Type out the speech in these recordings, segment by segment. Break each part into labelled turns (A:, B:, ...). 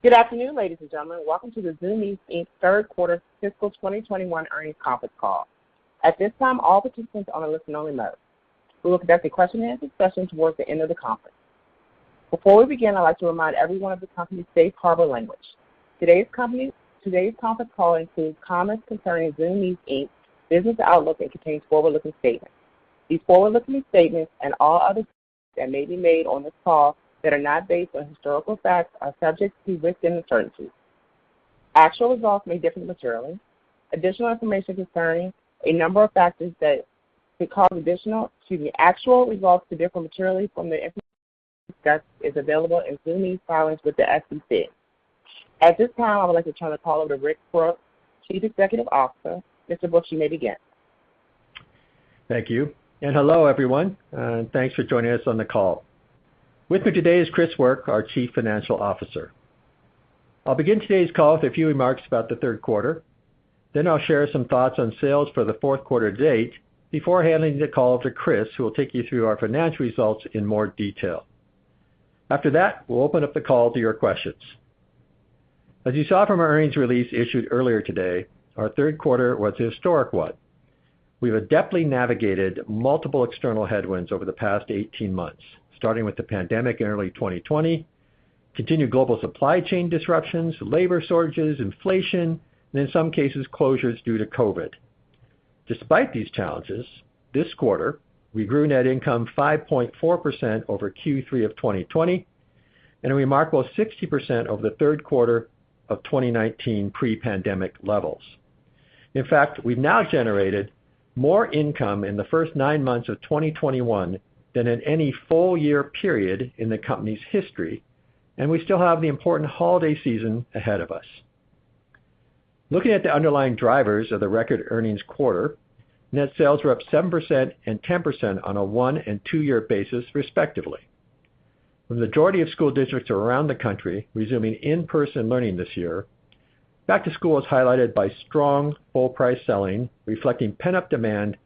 A: Good afternoon, ladies and gentlemen. Welcome to the Zumiez Inc. third quarter fiscal 2021 earnings conference call. At this time, all participants are in listen-only mode. We will conduct a question-and-answer session towards the end of the conference. Before we begin, I'd like to remind everyone of the company's safe harbor language. Today's conference call includes comments concerning Zumiez Inc.'s business outlook and contains forward-looking statements. These forward-looking statements and all others that may be made on this call that are not based on historical facts are subject to risks and uncertainties. Actual results may differ materially. Additional information concerning a number of factors that could cause actual results to differ materially from the information discussed is available in Zumiez filings with the SEC. At this time, I would like to turn the call over to Rick Brooks, Chief Executive Officer. Mr. Brooks, you may begin.
B: Thank you. Hello, everyone, and thanks for joining us on the call. With me today is Chris Work, our Chief Financial Officer. I'll begin today's call with a few remarks about the third quarter. I'll share some thoughts on sales for the fourth quarter to date before handing the call to Chris, who will take you through our financial results in more detail. After that, we'll open up the call to your questions. As you saw from our earnings release issued earlier today, our third quarter was a historic one. We've adeptly navigated multiple external headwinds over the past 18 months, starting with the pandemic in early 2020, continued global supply chain disruptions, labor shortages, inflation, and in some cases, closures due to COVID. Despite these challenges, this quarter we grew net income 5.4% over Q3 of 2020 and a remarkable 60% over the third quarter of 2019 pre-pandemic levels. In fact, we've now generated more income in the first nine months of 2021 than in any full-year period in the company's history, and we still have the important holiday season ahead of us. Looking at the underlying drivers of the record earnings quarter, net sales were up 7% and 10% on a one- and two-year basis, respectively, the majority of school districts around the country resuming in-person learning this year, back to school is highlighted by strong full price selling, reflecting pent-up demand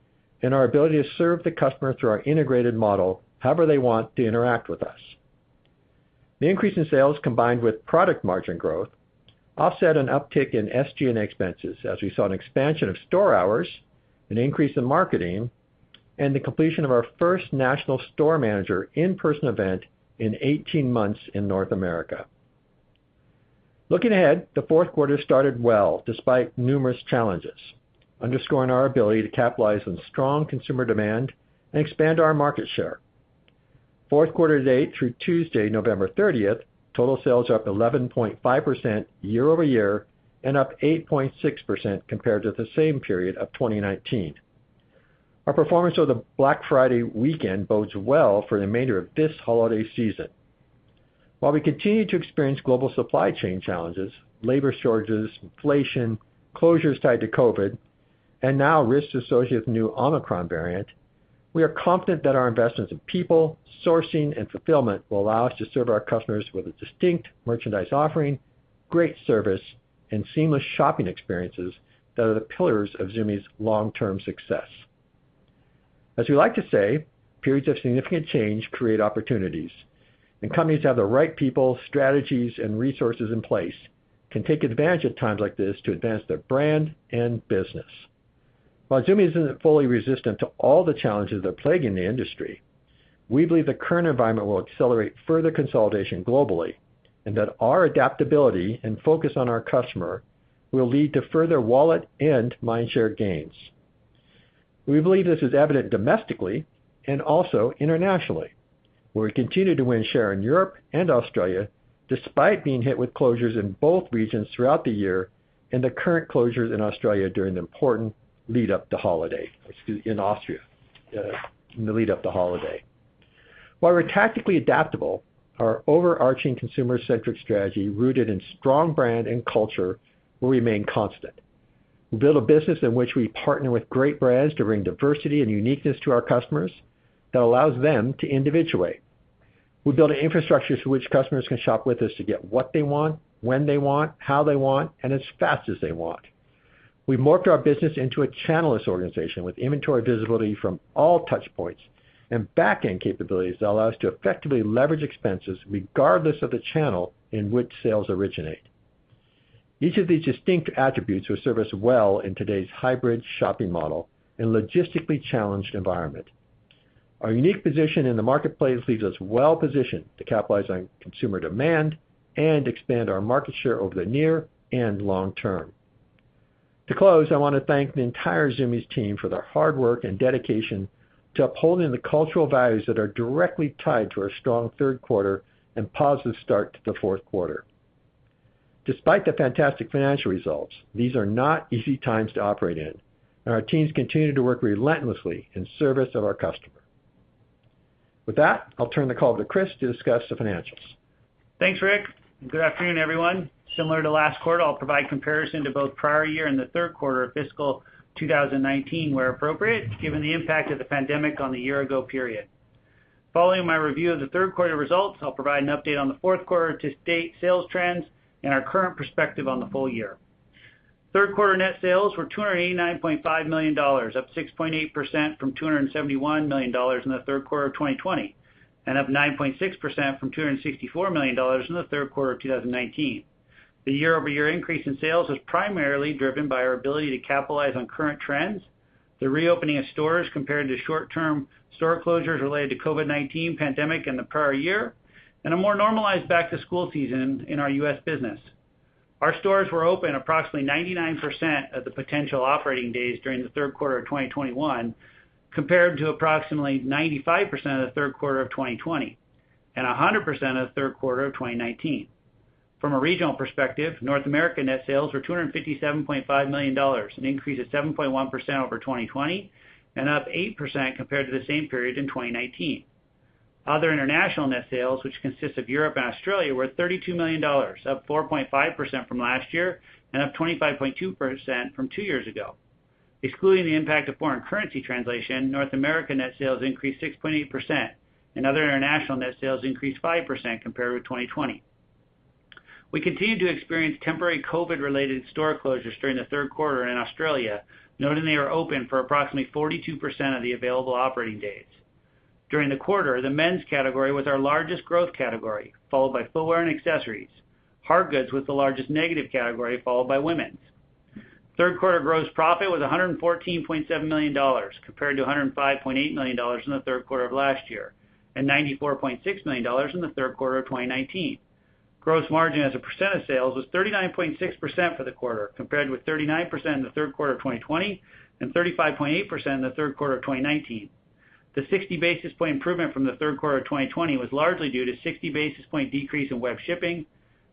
B: and our ability to serve the customer through our integrated model however they want to interact with us. The increase in sales combined with product margin growth offset an uptick in SG&A expenses as we saw an expansion of store hours, an increase in marketing, and the completion of our first national store manager in-person event in 18 months in North America. Looking ahead, the fourth quarter started well despite numerous challenges, underscoring our ability to capitalize on strong consumer demand and expand our market share. Fourth quarter to date through Tuesday, November 30, total sales are up 11.5% year-over-year and up 8.6% compared to the same period of 2019. Our performance over the Black Friday weekend bodes well for the remainder of this holiday season. While we continue to experience global supply chain challenges, labor shortages, inflation, closures tied to COVID, and now risks associated with new Omicron variant, we are confident that our investments in people, sourcing, and fulfillment will allow us to serve our customers with a distinct merchandise offering, great service, and seamless shopping experiences that are the pillars of Zumiez's long-term success. As we like to say, periods of significant change create opportunities, and companies have the right people, strategies, and resources in place can take advantage at times like this to advance their brand and business. While Zumiez isn't fully resistant to all the challenges that are plaguing the industry, we believe the current environment will accelerate further consolidation globally and that our adaptability and focus on our customer will lead to further wallet and mindshare gains. We believe this is evident domestically and also internationally, where we continue to win share in Europe and Australia despite being hit with closures in both regions throughout the year and the current closures in Austria during the important lead up to holiday. While we're tactically adaptable, our overarching consumer-centric strategy rooted in strong brand and culture will remain constant. We build a business in which we partner with great brands to bring diversity and uniqueness to our customers that allows them to individuate. We build an infrastructure through which customers can shop with us to get what they want, when they want, how they want, and as fast as they want. We morphed our business into a channelist organization with inventory visibility from all touch points and back-end capabilities that allow us to effectively leverage expenses regardless of the channel in which sales originate. Each of these distinct attributes will serve us well in today's hybrid shopping model and logistically challenged environment. Our unique position in the marketplace leaves us well-positioned to capitalize on consumer demand and expand our market share over the near and long term. To close, I wanna thank the entire Zumiez team for their hard work and dedication to upholding the cultural values that are directly tied to our strong third quarter and positive start to the fourth quarter. Despite the fantastic financial results, these are not easy times to operate in, and our teams continue to work relentlessly in service of our customer. With that, I'll turn the call to Chris to discuss the financials.
C: Thanks, Rick, and good afternoon, everyone. Similar to last quarter, I'll provide comparison to both prior year and the third quarter of fiscal 2019 where appropriate, given the impact of the pandemic on the year ago period. Following my review of the third quarter results, I'll provide an update on the fourth quarter to state sales trends and our current perspective on the full-year. third quarter net sales were $289.5 million, up 6.8% from $271 million in the third quarter of 2020, and up 9.6% from $264 million in the third quarter of 2019. The year-over-year increase in sales was primarily driven by our ability to capitalize on current trends, the reopening of stores compared to short-term store closures related to COVID-19 pandemic in the prior year, and a more normalized back-to-school season in our U.S. business. Our stores were open approximately 99% of the potential operating days during the third quarter of 2021, compared to approximately 95% of the third quarter of 2020, and 100% of the third quarter of 2019. From a regional perspective, North America net sales were $257.5 million, an increase of 7.1% over 2020 and up 8% compared to the same period in 2019. Other international net sales, which consists of Europe and Australia, were $32 million, up 4.5% from last year and up 25.2% from two years ago. Excluding the impact of foreign currency translation, North America net sales increased 6.8% and other international net sales increased 5% compared with 2020. We continued to experience temporary COVID-related store closures during the third quarter in Australia, noting they are open for approximately 42% of the available operating days. During the quarter, the Men's category was our largest growth category, followed by Footwear and Accessories. Hard goods was the largest negative category, followed by Women's. Third quarter gross profit was $114.7 million, compared to $105.8 million in the third quarter of last year, and $94.6 million in the third quarter of 2019. Gross margin as a percent of sales was 39.6% for the quarter, compared with 39% in the third quarter of 2020 and 35.8% in the third quarter of 2019. The 60 basis point improvement from the third quarter of 2020 was largely due to 60 basis point decrease in web shipping,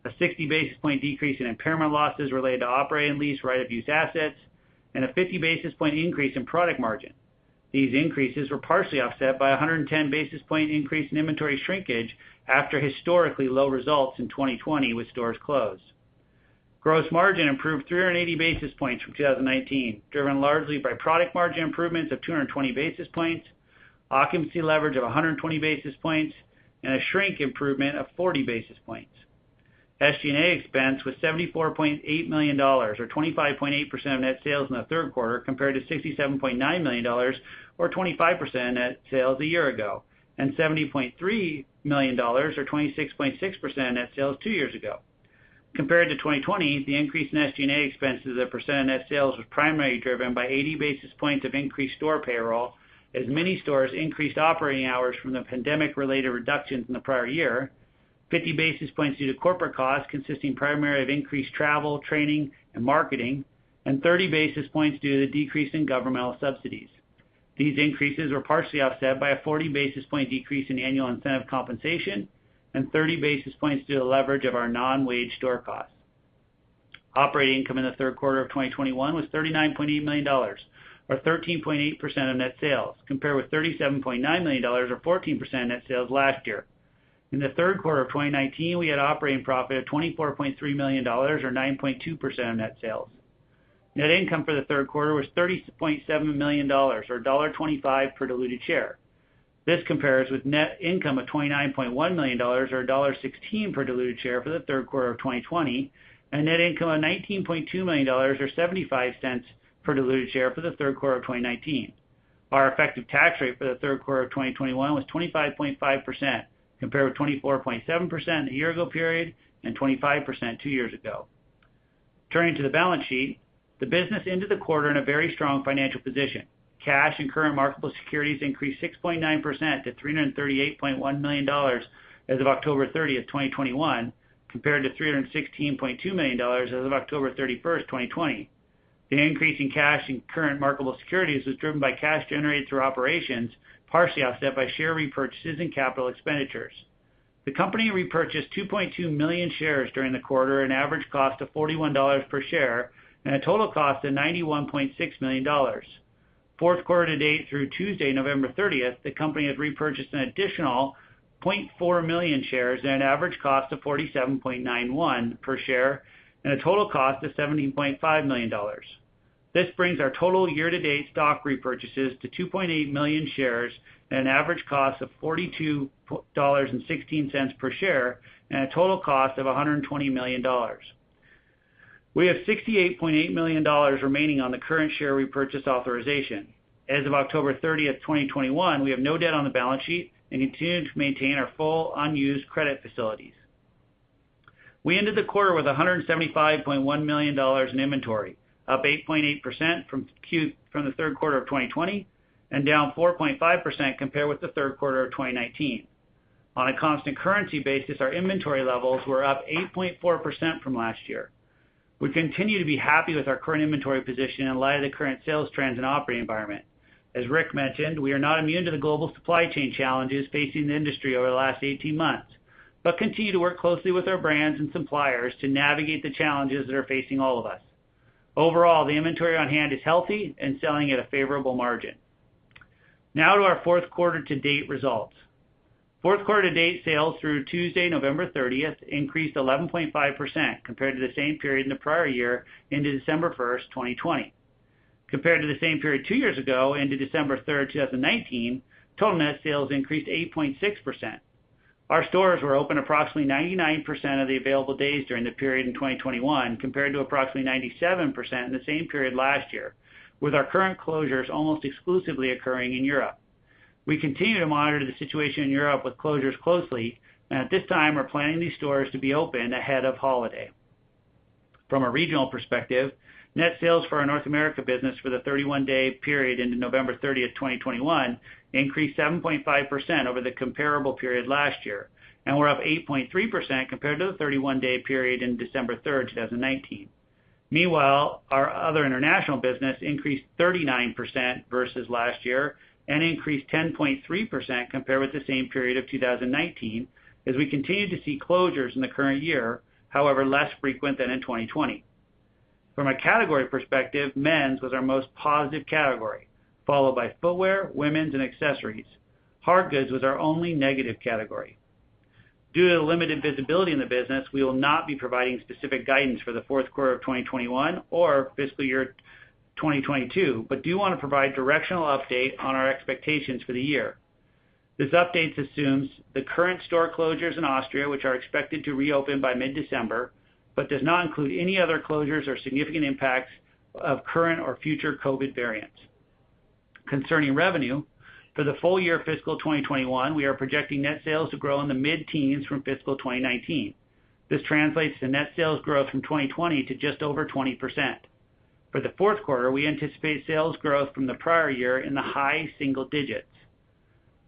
C: a 60 basis point decrease in impairment losses related to operating lease right-of-use assets, and a 50 basis point increase in product margin. These increases were partially offset by a 110 basis point increase in inventory shrinkage after historically low results in 2020 with stores closed. Gross margin improved 380 basis points from 2019, driven largely by product margin improvements of 220 basis points, occupancy leverage of 120 basis points, and a shrink improvement of 40 basis points. SG&A expense was $74.8 million, or 25.8% of net sales in the third quarter, compared to $67.9 million or 25% net sales a year ago, and $70.3 million or 26.6% net sales two years ago. Compared to 2020, the increase in SG&A expenses as a percent of net sales was primarily driven by 80 basis points of increased store payroll, as many stores increased operating hours from the pandemic-related reductions in the prior year, 50 basis points due to corporate costs consisting primarily of increased travel, training, and marketing, and 30 basis points due to the decrease in governmental subsidies. These increases were partially offset by a 40 basis points decrease in annual incentive compensation and 30 basis points due to the leverage of our non-wage store costs. Operating income in the third quarter of 2021 was $39.8 million or 13.8% of net sales, compared with $37.9 million or 14% of net sales last year. In the third quarter of 2019, we had operating profit of $24.3 million or 9.2% of net sales. Net income for the third quarter was $30.7 million or $1.25 per diluted share. This compares with net income of $29.1 million or $1.16 per diluted share for the third quarter of 2020, and net income of $19.2 million or $0.75 per diluted share for the third quarter of 2019. Our effective tax rate for the third quarter of 2021 was 25.5%, compared with 24.7% a year ago period and 25% two years ago. Turning to the balance sheet, the business ended the quarter in a very strong financial position. Cash and current marketable securities increased 6.9% to $338.1 million as of October 30, 2021, compared to $316.2 million as of October 31, 2020. The increase in cash and current marketable securities was driven by cash generated through operations, partially offset by share repurchases and capital expenditures. The company repurchased 2.2 million shares during the quarter at an average cost of $41 per share and a total cost of $91.6 million. Fourth quarter to date through Tuesday, November 30, the company has repurchased an additional 0.4 million shares at an average cost of $47.91 per share and a total cost of $17.5 million. This brings our total year-to-date stock repurchases to 2.8 million shares at an average cost of $42.16 per share and a total cost of $120 million. We have $68.8 million remaining on the current share repurchase authorization. As of October 30, 2021, we have no debt on the balance sheet and continue to maintain our full unused credit facilities. We ended the quarter with $175.1 million in inventory, up 8.8% from the third quarter of 2020 and down 4.5% compared with the third quarter of 2019. On a constant currency basis, our inventory levels were up 8.4% from last year. We continue to be happy with our current inventory position in light of the current sales trends and operating environment. As Rick mentioned, we are not immune to the global supply chain challenges facing the industry over the last 18 months, but continue to work closely with our brands and suppliers to navigate the challenges that are facing all of us. Overall, the inventory on hand is healthy and selling at a favorable margin. Now to our fourth quarter to date results. Fourth quarter to date sales through Tuesday, November 30, increased 11.5% compared to the same period in the prior year into December 1, 2020. Compared to the same period two years ago into December 3, 2019, total net sales increased 8.6%. Our stores were open approximately 99% of the available days during the period in 2021 compared to approximately 97% in the same period last year, with our current closures almost exclusively occurring in Europe. We continue to monitor the situation in Europe with closures closely, and at this time are planning these stores to be open ahead of holiday. From a regional perspective, net sales for our North America business for the 31-day period into November 30, 2021 increased 7.5% over the comparable period last year, and were up 8.3% compared to the 31-day period in December 3, 2019. Meanwhile, our other international business increased 39% versus last year and increased 10.3% compared with the same period of 2019 as we continue to see closures in the current year, however less frequent than in 2020. From a category perspective, Men's was our most positive category, followed by Footwear, Women's and Accessories. Hard Goods was our only negative category. Due to the limited visibility in the business, we will not be providing specific guidance for the fourth quarter of 2021 or fiscal year 2022, but do wanna provide directional update on our expectations for the year. This update assumes the current store closures in Austria, which are expected to reopen by mid-December, but does not include any other closures or significant impacts of current or future COVID variants. Concerning revenue, for the full-year fiscal 2021, we are projecting net sales to grow in the mid-teens% from fiscal 2019. This translates to net sales growth from 2020 to just over 20%. For the fourth quarter, we anticipate sales growth from the prior year in the high single digits percentage.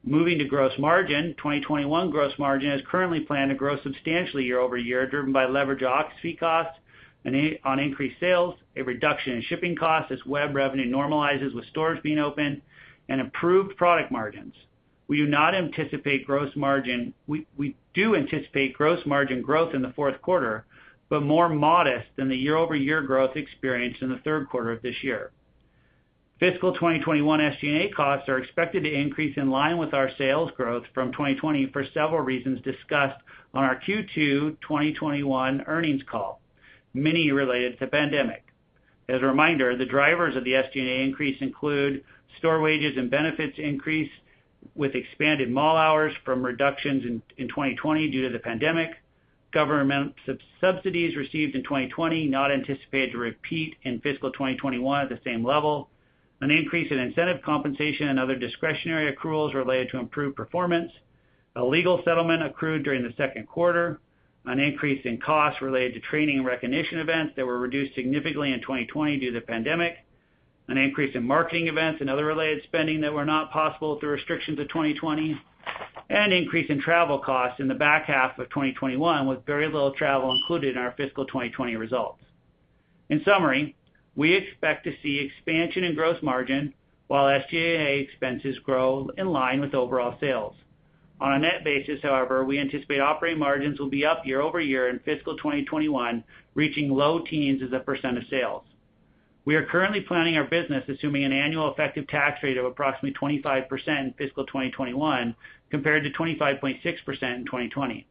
C: Moving to gross margin, 2021 gross margin is currently planned to grow substantially year-over-year, driven by leverage of occupancy costs on increased sales, a reduction in shipping costs as web revenue normalizes with stores being open, and improved product margins. We do anticipate gross margin growth in the fourth quarter, but more modest than the year-over-year growth experienced in the third quarter of this year. Fiscal 2021 SG&A costs are expected to increase in line with our sales growth from 2020 for several reasons discussed on our Q2 2021 earnings call, many related to pandemic. As a reminder, the drivers of the SG&A increase include store wages and benefits increase with expanded mall hours from reductions in 2020 due to the pandemic, government subsidies received in 2020 not anticipated to repeat in fiscal 2021 at the same level, an increase in incentive compensation and other discretionary accruals related to improved performance, a legal settlement accrued during the second quarter, an increase in costs related to training and recognition events that were reduced significantly in 2020 due to the pandemic, an increase in marketing events and other related spending that were not possible through restrictions of 2020, an increase in travel costs in the back half of 2021, with very little travel included in our fiscal 2020 results. In summary, we expect to see expansion in gross margin while SG&A expenses grow in line with overall sales. On a net basis, however, we anticipate operating margins will be up year-over-year in fiscal 2021, reaching low teens percent of sales. We are currently planning our business assuming an annual effective tax rate of approximately 25% in fiscal 2021 compared to 25.6% in 2020.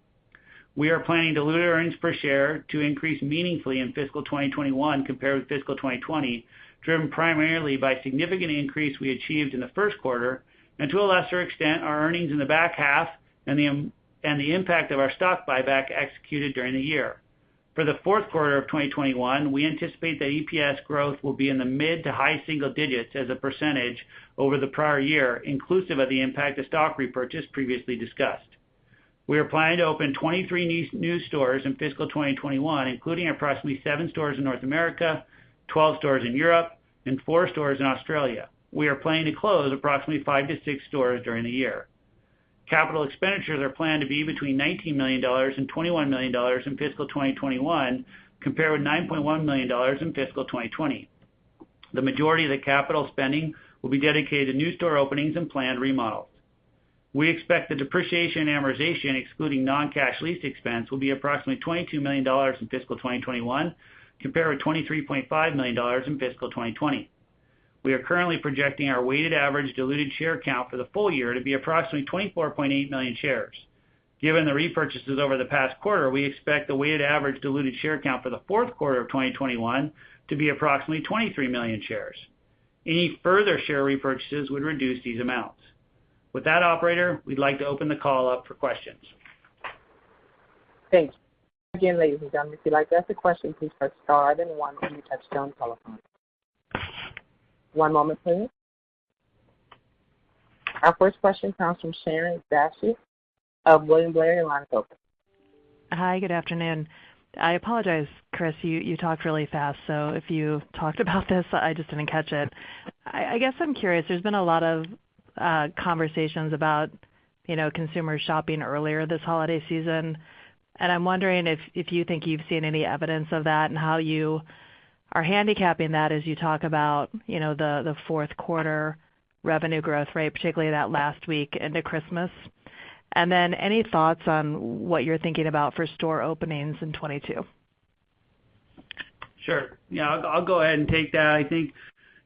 C: We are planning diluted earnings per share to increase meaningfully in fiscal 2021 compared with fiscal 2020, driven primarily by significant increase we achieved in the first quarter, and to a lesser extent, our earnings in the back half and the impact of our stock buyback executed during the year. For the fourth quarter of 2021, we anticipate that EPS growth will be in the mid- to high-single digits% over the prior year, inclusive of the impact of stock repurchase previously discussed. We are planning to open 23 new stores in fiscal 2021, including approximately seven stores in North America, 12 stores in Europe, and four stores in Australia. We are planning to close approximately five to six stores during the year. Capital expenditures are planned to be between $19 million and $21 million in fiscal 2021 compared with $9.1 million in fiscal 2020. The majority of the capital spending will be dedicated to new store openings and planned remodels. We expect the depreciation and amortization, excluding non-cash lease expense, will be approximately $22 million in fiscal 2021 compared with $23.5 million in fiscal 2020. We are currently projecting our weighted average diluted share count for the full-year to be approximately 24.8 million shares. Given the repurchases over the past quarter, we expect the weighted average diluted share count for the fourth quarter of 2021 to be approximately 23 million shares. Any further share repurchases would reduce these amounts. With that, operator, we'd like to open the call up for questions.
A: Our first question comes from Sharon Zackfia of William Blair.
D: Hi, good afternoon. I apologize, Chris, you talked really fast, so if you talked about this, I just didn't catch it. I guess I'm curious. There's been a lot of conversations about, you know, consumer shopping earlier this holiday season, and I'm wondering if you think you've seen any evidence of that and how you are handicapping that as you talk about, you know, the fourth quarter revenue growth rate, particularly that last week into Christmas. Then any thoughts on what you're thinking about for store openings in 2022?
C: Sure. Yeah, I'll go ahead and take that. I think,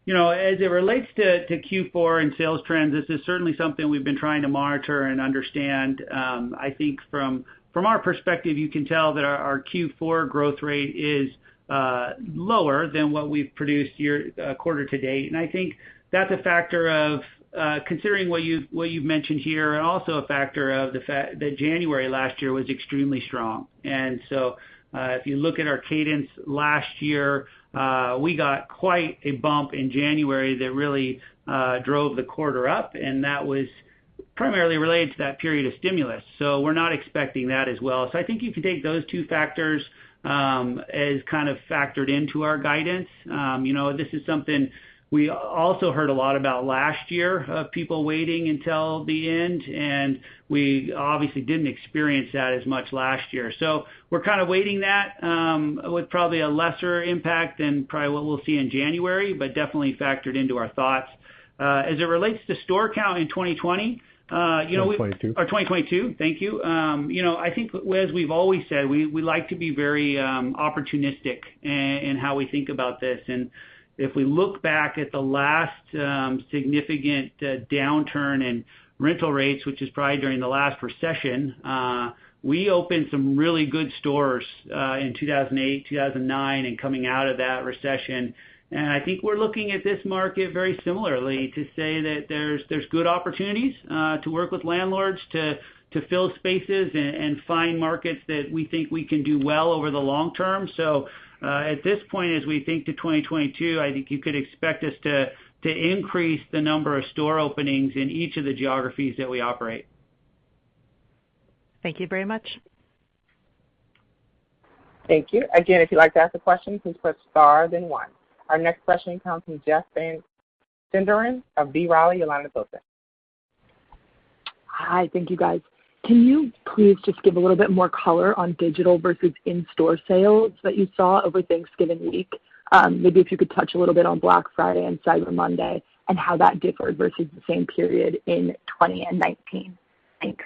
C: you know, as it relates to Q4 and sales trends, this is certainly something we've been trying to monitor and understand. I think from our perspective, you can tell that our Q4 growth rate is lower than what we've produced quarter to date. I think that's a factor of considering what you've mentioned here, and also a factor of the fact that January last year was extremely strong. If you look at our cadence last year, we got quite a bump in January that really drove the quarter up, and that was primarily related to that period of stimulus. We're not expecting that as well. I think if you take those two factors as kind of factored into our guidance, you know, this is something we also heard a lot about last year, of people waiting until the end, and we obviously didn't experience that as much last year. We're kind of weighting that with probably a lesser impact than probably what we'll see in January, but definitely factored into our thoughts. As it relates to store count in 2020, you know
B: 2022.
C: For 2022. Thank you. You know, I think as we've always said, we like to be very opportunistic in how we think about this. If we look back at the last significant downturn in rental rates, which is probably during the last recession, we opened some really good stores in 2008, 2009, and coming out of that recession. I think we're looking at this market very similarly to say that there's good opportunities to work with landlords to fill spaces and find markets that we think we can do well over the long term. At this point, as we think to 2022, I think you could expect us to increase the number of store openings in each of the geographies that we operate.
D: Thank you very much.
A: Thank you. Again, if you'd like to ask a question, please press star, then one. Our next question comes from Jeff Van Sinderen of B. Riley. Your line is open.
E: Hi. Thank you, guys. Can you please just give a little bit more color on digital versus in-store sales that you saw over Thanksgiving week? Maybe if you could touch a little bit on Black Friday and Cyber Monday, and how that differed versus the same period in 2020 and 2019. Thanks.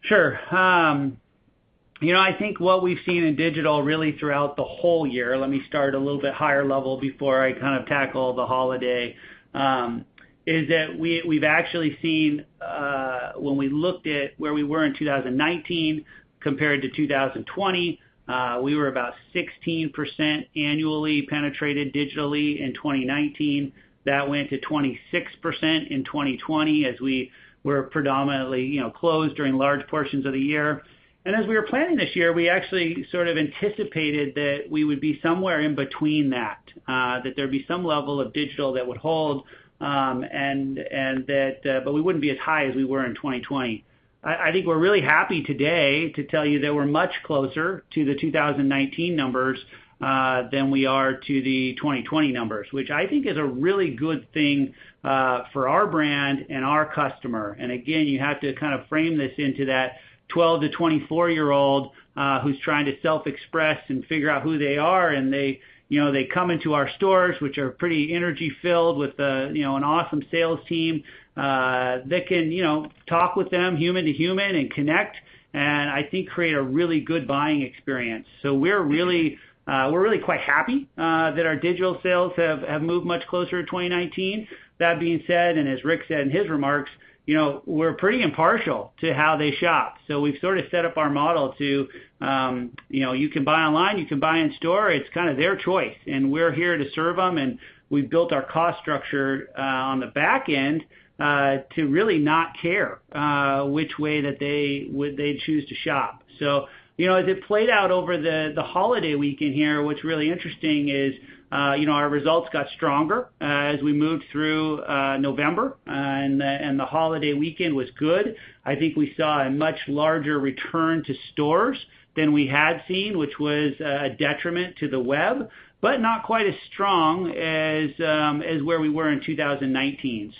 C: Sure. You know, I think what we've seen in digital really throughout the whole year, let me start a little bit higher level before I kind of tackle the holiday, is that we've actually seen, when we looked at where we were in 2019 compared to 2020, we were about 16% annually penetrated digitally in 2019. That went to 26% in 2020 as we were predominantly, you know, closed during large portions of the year. As we were planning this year, we actually sort of anticipated that we would be somewhere in between that there'd be some level of digital that would hold, and that. But we wouldn't be as high as we were in 2020. I think we're really happy today to tell you that we're much closer to the 2019 numbers than we are to the 2020 numbers, which I think is a really good thing for our brand and our customer. Again, you have to kind of frame this into that 12- to 24-year-old who's trying to self-express and figure out who they are, and they, you know, they come into our stores, which are pretty energy-filled with, you know, an awesome sales team that can, you know, talk with them human to human and connect, and I think create a really good buying experience. We're really quite happy that our digital sales have moved much closer to 2019. That being said, as Rick said in his remarks, you know, we're pretty impartial to how they shop. We've sort of set up our model to, you know, you can buy online, you can buy in store. It's kind of their choice, and we're here to serve them. We've built our cost structure on the back end to really not care which way that they'd choose to shop. You know, as it played out over the holiday weekend here, what's really interesting is, you know, our results got stronger as we moved through November, and the holiday weekend was good. I think we saw a much larger return to stores than we had seen, which was a detriment to the web, but not quite as strong as where we were in 2019.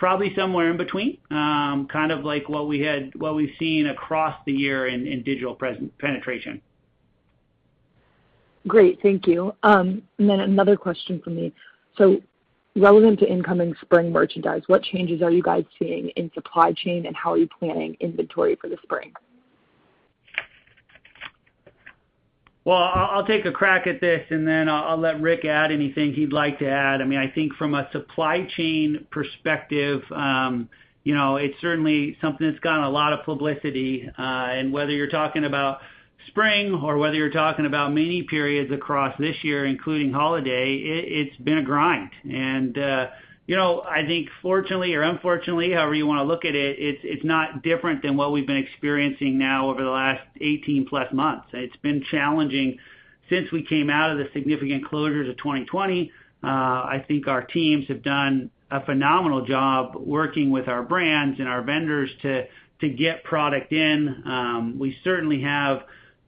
C: Probably somewhere in between, kind of like what we've seen across the year in digital penetration.
E: Great. Thank you. Then another question from me. Relevant to incoming spring merchandise, what changes are you guys seeing in supply chain, and how are you planning inventory for the spring?
C: Well, I'll take a crack at this and then I'll let Rick add anything he'd like to add. I mean, I think from a supply chain perspective, you know, it's certainly something that's gotten a lot of publicity. Whether you're talking about spring or whether you're talking about many periods across this year, including holiday, it's been a grind. You know, I think fortunately or unfortunately, however you wanna look at it's not different than what we've been experiencing now over the last 18+ months. It's been challenging since we came out of the significant closures of 2020. I think our teams have done a phenomenal job working with our brands and our vendors to get product in. We certainly have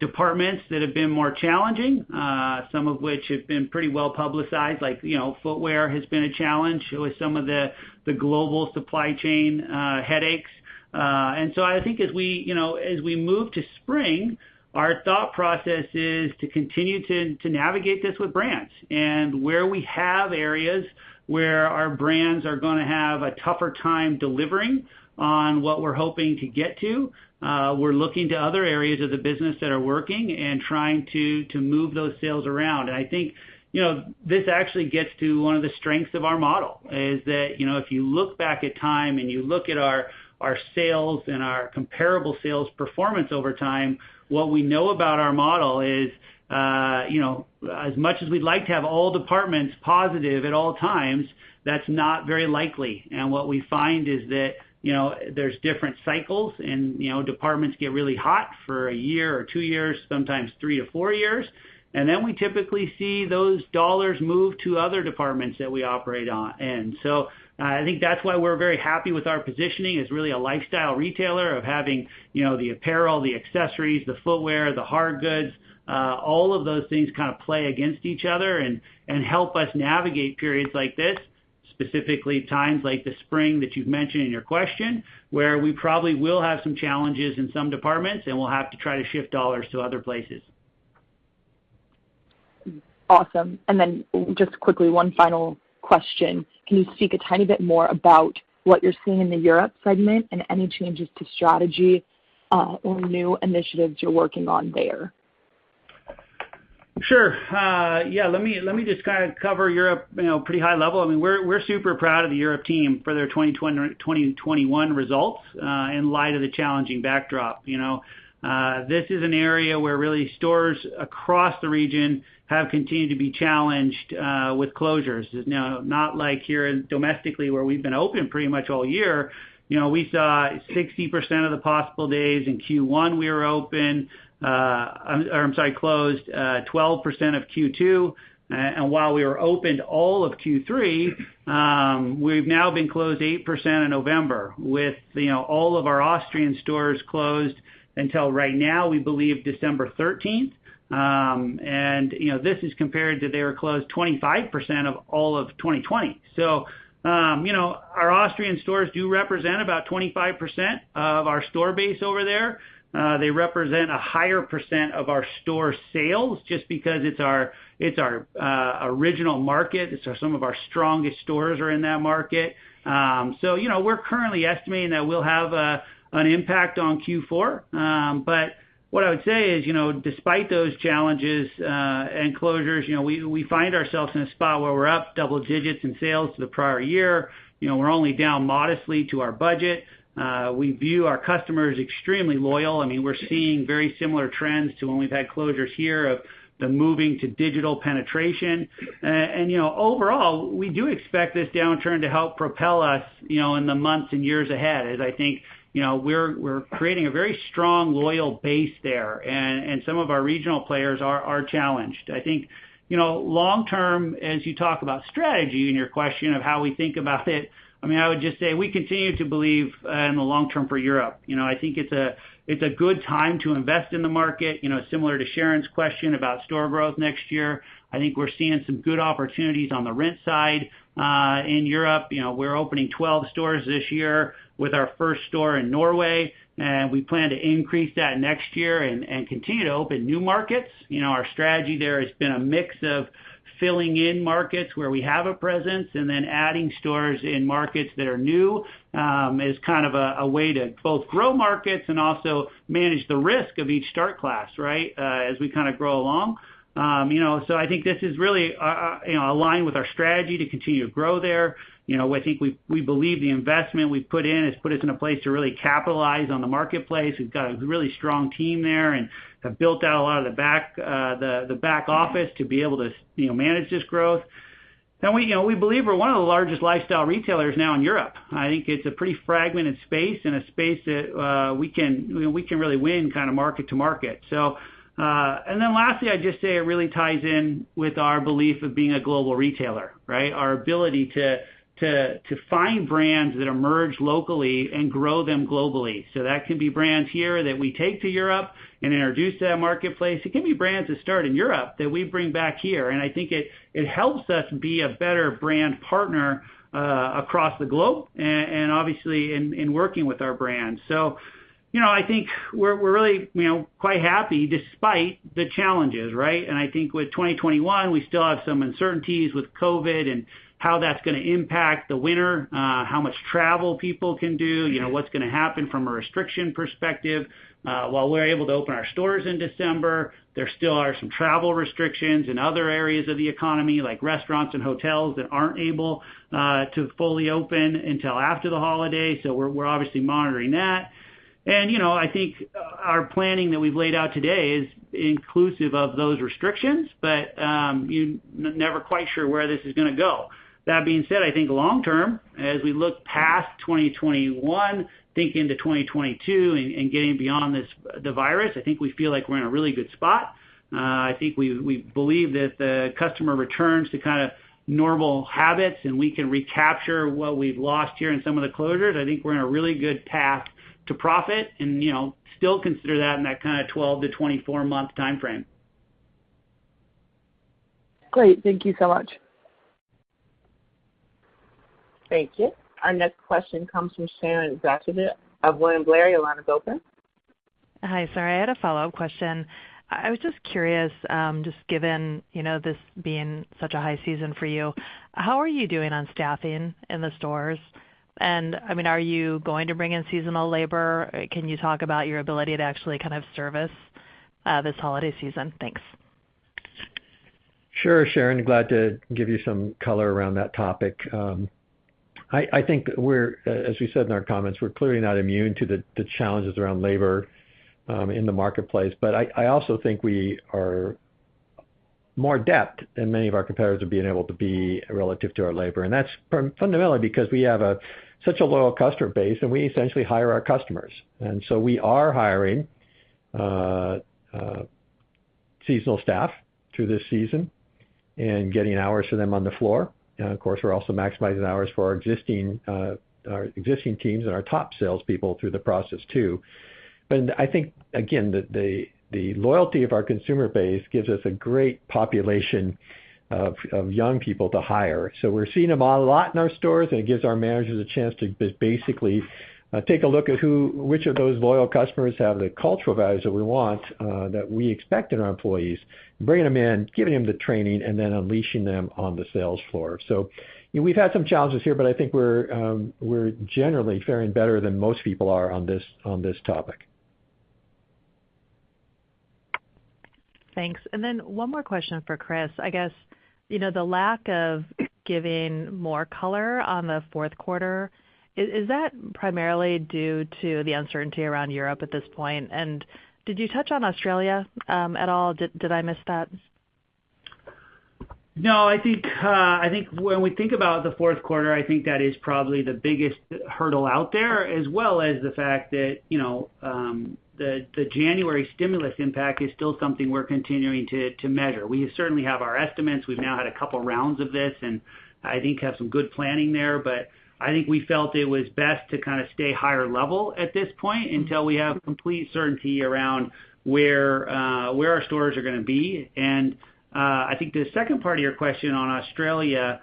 C: departments that have been more challenging, some of which have been pretty well-publicized, like, you know, footwear has been a challenge with some of the global supply chain headaches. I think as we, you know, as we move to spring, our thought process is to continue to navigate this with brands. Where we have areas where our brands are gonna have a tougher time delivering on what we're hoping to get to, we're looking to other areas of the business that are working and trying to move those sales around. I think, you know, this actually gets to one of the strengths of our model, is that, you know, if you look back at time and you look at our sales and our comparable sales performance over time, what we know about our model is, you know, as much as we'd like to have all departments positive at all times, that's not very likely. What we find is that, you know, there's different cycles and, you know, departments get really hot for a year or two years, sometimes three to four years. Then we typically see those dollars move to other departments that we operate on. I think that's why we're very happy with our positioning as really a lifestyle retailer of having, you know, the apparel, the accessories, the footwear, the hard goods, all of those things kind of play against each other and help us navigate periods like this, specifically times like the spring that you've mentioned in your question, where we probably will have some challenges in some departments, and we'll have to try to shift dollars to other places.
E: Awesome. Just quickly, one final question. Can you speak a tiny bit more about what you're seeing in the Europe segment and any changes to strategy, or new initiatives you're working on there?
C: Sure. Yeah, let me just kind of cover Europe, you know, pretty high level. I mean, we're super proud of the Europe team for their 2021 results, in light of the challenging backdrop. You know, this is an area where really stores across the region have continued to be challenged with closures. Now, not like here domestically, where we've been open pretty much all year. You know, we saw 60% of the possible days in Q1 we were open, or I'm sorry, closed, 12% of Q2. While we were open all of Q3, we've now been closed 8% in November with, you know, all of our Austrian stores closed until right now, we believe December thirteenth. You know, this is compared to they were closed 25% of all of 2020. You know, our Austrian stores do represent about 25% of our store base over there. They represent a higher percent of our store sales just because it's our original market. Some of our strongest stores are in that market. You know, we're currently estimating that we'll have an impact on Q4. What I would say is, you know, despite those challenges and closures, you know, we find ourselves in a spot where we're up double digits in sales to the prior year. You know, we're only down modestly to our budget. We view our customers extremely loyal. I mean, we're seeing very similar trends to when we've had closures here of the moving to digital penetration. You know, overall, we do expect this downturn to help propel us, you know, in the months and years ahead, as I think, you know, we're creating a very strong, loyal base there. Some of our regional players are challenged. I think, you know, long term, as you talk about strategy in your question of how we think about it, I mean, I would just say we continue to believe in the long term for Europe. You know, I think it's a good time to invest in the market. You know, similar to Sharon's question about store growth next year, I think we're seeing some good opportunities on the rent side. In Europe, you know, we're opening 12 stores this year with our first store in Norway, and we plan to increase that next year and continue to open new markets. You know, our strategy there has been a mix of filling in markets where we have a presence and then adding stores in markets that are new, as kind of a way to both grow markets and also manage the risk of each start class, right, as we kind of grow along. You know, so I think this is really, you know, aligned with our strategy to continue to grow there. You know, I think we believe the investment we've put in has put us in a place to really capitalize on the marketplace. We've got a really strong team there and have built out a lot of the back office to be able to manage this growth. We believe we're one of the largest lifestyle retailers now in Europe. I think it's a pretty fragmented space and a space that we can really win kind of market to market. Lastly, I'd just say it really ties in with our belief of being a global retailer, right? Our ability to find brands that emerge locally and grow them globally. That can be brands here that we take to Europe and introduce to that marketplace. It can be brands that start in Europe that we bring back here. I think it helps us be a better brand partner across the globe and obviously in working with our brands. You know, I think we're really, you know, quite happy despite the challenges, right? I think with 2021, we still have some uncertainties with COVID and how that's gonna impact the winter, how much travel people can do. You know, what's gonna happen from a restriction perspective. While we're able to open our stores in December, there still are some travel restrictions in other areas of the economy, like restaurants and hotels that aren't able to fully open until after the holiday. We're obviously monitoring that. You know, I think our planning that we've laid out today is inclusive of those restrictions, but you're never quite sure where this is gonna go. That being said, I think long term, as we look past 2021, think into 2022 and getting beyond this, the virus, I think we feel like we're in a really good spot. I think we believe that the customer returns to kind of normal habits, and we can recapture what we've lost here in some of the closures. I think we're in a really good path to profit and, you know, still consider that in that kind of 12-24 month timeframe.
E: Great. Thank you so much.
A: Thank you. Our next question comes from Sharon Zackfia of William Blair. Your line is open.
D: Hi, sorry. I had a follow-up question. I was just curious, just given, you know, this being such a high season for you, how are you doing on staffing in the stores? And I mean, are you going to bring in seasonal labor? Can you talk about your ability to actually kind of service, this holiday season? Thanks.
B: Sure, Sharon. Glad to give you some color around that topic. I think we're, as we said in our comments, we're clearly not immune to the challenges around labor in the marketplace. I also think we are more adept than many of our competitors are being able to be relative to our labor. That's fundamentally because we have such a loyal customer base, and we essentially hire our customers. We are hiring seasonal staff through this season and getting hours for them on the floor. Of course, we're also maximizing hours for our existing teams and our top salespeople through the process too. I think, again, the loyalty of our consumer base gives us a great population of young people to hire. We're seeing them a lot in our stores, and it gives our managers a chance to basically take a look at which of those loyal customers have the cultural values that we want that we expect in our employees, bringing them in, giving them the training, and then unleashing them on the sales floor. We've had some challenges here, but I think we're generally faring better than most people are on this topic.
D: Thanks. One more question for Chris. I guess, you know, the lack of giving more color on the fourth quarter is that primarily due to the uncertainty around Europe at this point? Did you touch on Australia at all? Did I miss that?
C: No, I think, I think when we think about the fourth quarter, I think that is probably the biggest hurdle out there, as well as the fact that, you know, the January stimulus impact is still something we're continuing to measure. We certainly have our estimates. We've now had a couple rounds of this, and I think have some good planning there. I think we felt it was best to kind of stay higher level at this point until we have complete certainty around where our stores are gonna be. I think the second part of your question on Australia,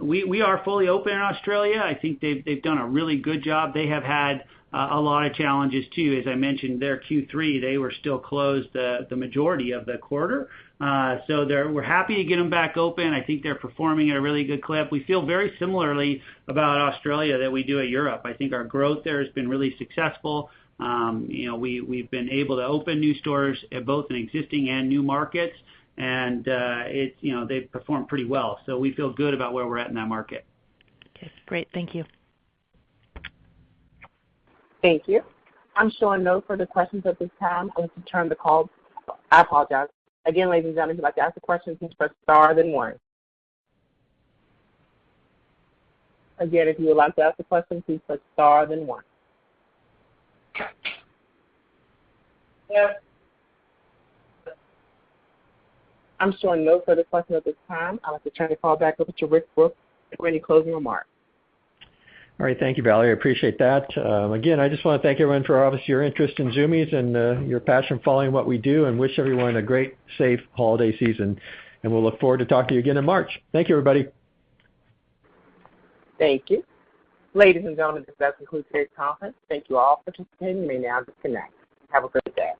C: we are fully open in Australia. I think they've done a really good job. They have had a lot of challenges too. As I mentioned, their Q3, they were still closed the majority of the quarter. We're happy to get them back open. I think they're performing at a really good clip. We feel very similarly about Australia as we do about Europe. I think our growth there has been really successful. You know, we've been able to open new stores both in existing and new markets, and you know, they've performed pretty well. We feel good about where we're at in that market.
D: Okay, great. Thank you.
A: Thank you. I'm showing no further questions at this time. I apologize. Again, ladies and gentlemen, if you'd like to ask a question, please press star then one. I'm showing no further questions at this time. I'd like to turn the call back over to Rick Brooks for any closing remarks.
B: All right. Thank you, Valerie. I appreciate that. Again, I just wanna thank everyone for obviously your interest in Zumiez and your passion following what we do, and wish everyone a great, safe holiday season. We'll look forward to talking to you again in March. Thank you, everybody.
A: Thank you. Ladies and gentlemen, this does conclude today's conference. Thank you all for participating. You may now disconnect. Have a great day.